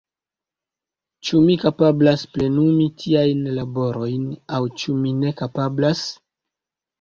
Ĉu mi kapablas plenumi tiajn laborojn aŭ ĉu mi ne kapablas?